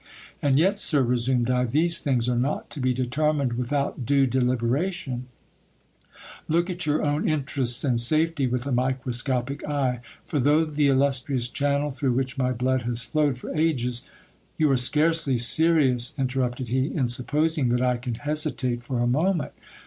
And yet, sir, resumed I, these things are not to be determined without due deliberation ; look at your own interests and safety with a microscopic eye, for though the illustrious channel through which my blood has flowed for ages You are scarcely serious, interrupted he, in supposing that I can hesitate for a moment.